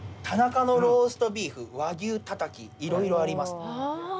「田中のローストビーフ和牛タタキいろいろあります」